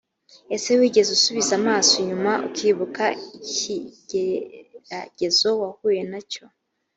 ese wigeze usubiza amaso inyuma ukibuka ikigeragezo wahuye na cyo